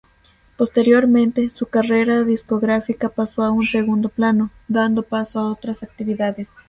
Posteriormente su carrera discográfica pasó a un segundo plano, dando paso a otras actividades.